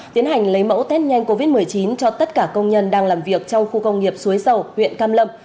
tiến hành lấy mẫu test nhanh covid một mươi chín cho tất cả công nhân đang làm việc trong khu công nghiệp suối dầu huyện cam lâm